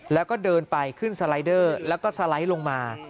แล้วก็เดินไปขึ้นสไลเดอร์แล้วก็สไลด์ลงมา